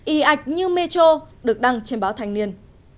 y ạch như metro được đăng trên báo thành niên